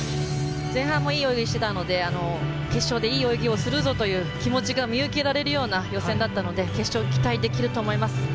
前半いい泳ぎをしていたので決勝も、いい泳ぎをするぞと見受けられるような予選だったので決勝が期待できると思います。